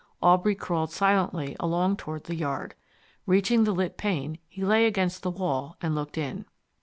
Aubrey crawled silently along toward the yard. Reaching the lit pane he lay against the wall and looked in.